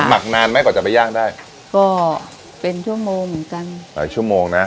หักนานไหมกว่าจะไปย่างได้ก็เป็นชั่วโมงเหมือนกันหลายชั่วโมงนะ